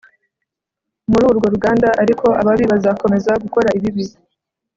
Muri urwo ruganda ariko ababi bazakomeza gukora ibibi